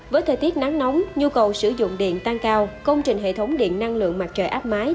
với thời tiết nắng nóng nhu cầu sử dụng điện tăng cao công trình hệ thống điện năng lượng mặt trời áp mái